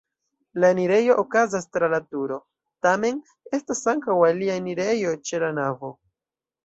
La enirejo okazas tra la turo, tamen estas ankaŭ alia enirejo ĉe la navo.